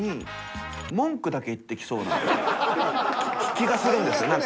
気がするんですよ何か。